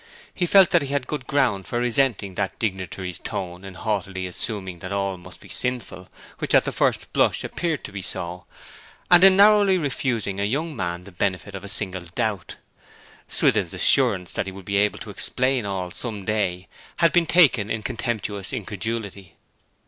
He felt that he had good ground for resenting that dignitary's tone in haughtily assuming that all must be sinful which at the first blush appeared to be so, and in narrowly refusing a young man the benefit of a single doubt. Swithin's assurance that he would be able to explain all some day had been taken in contemptuous incredulity.